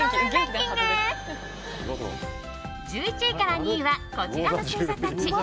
１１位から２位はこちらの星座たち。